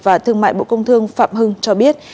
và thương mại bộ công thương phạm hưng cho biết